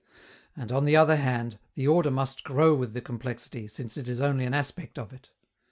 And, on the other hand, the order must grow with the complexity, since it is only an aspect of it.